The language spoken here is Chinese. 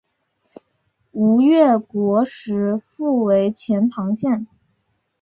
吴越国时复为钱唐县。